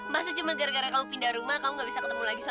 masa cuma gara gara kamu pindah rumah kamu nggak bisa ketemu eyang ria